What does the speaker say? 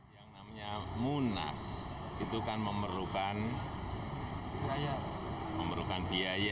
yang namanya munas itu kan memerlukan biaya